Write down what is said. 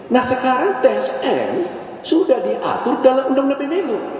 nah sekarang tsn sudah diatur dalam undang undang pemilu